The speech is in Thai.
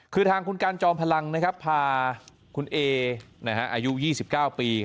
คือทางคุณกันจอมพลังพาคุณเออายุ๒๙ปี